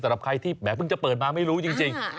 สำหรับใครที่แหมเพิ่งจะเปิดมาไม่รู้จริง